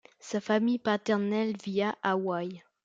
Sa famille paternelle vit à Hawaï.